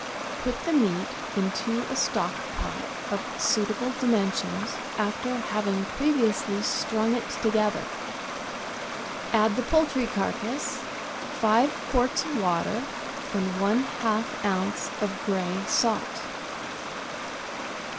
— Put the meat into a stock pot of suitable dimensions, after having previously strung it together; add the poultry carcase, five quarts of water, and one half oz. of grey salt.